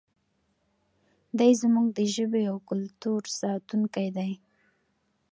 دی زموږ د ژبې او کلتور ساتونکی دی.